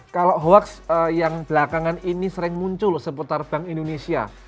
kalau hoax yang belakangan ini sering muncul seputar bank indonesia